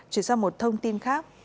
chuyển sang một thông tin khác